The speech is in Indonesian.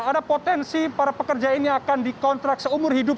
ada potensi para pekerja ini akan dikontrak seumur hidup